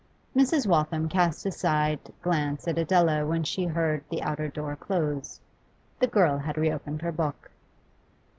Mrs. Waltham cast a side glance at Adela when she heard the outer door close. The girl had reopened her book.